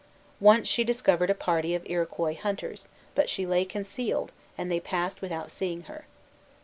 Once she discovered a party of Iroquois hunters; but she lay concealed, and they passed without seeing her.